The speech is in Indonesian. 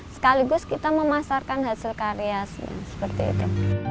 sekaligus kita memasarkan hasil karya seperti itu